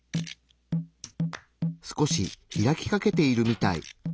少し開きかけているみたい。